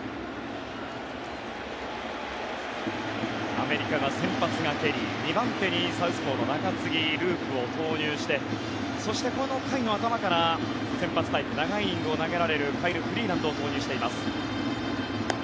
アメリカが、先発がケリー２番手にサウスポーの中継ぎループを投入してそして、この回の頭から先発タイプ長いイニングを投げられるカイル・フリーランドを投入しています。